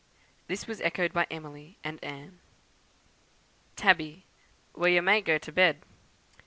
This was echoed by Emily and Anne. "Tabby. 'Wha ya may go t' bed.'